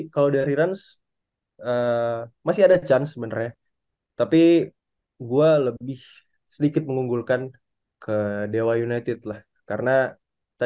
selamat siat memulai mikir beneran di camera